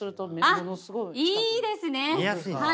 いいですね。